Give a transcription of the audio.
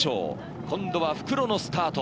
今度は復路のスタート。